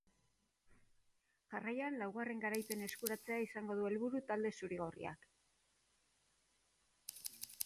Jarraian laugarren garaipena eskuratzea izango du helburu talde zuri-gorriak.